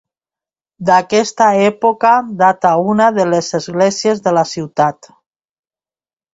D'aquesta època data una de les esglésies de la ciutat.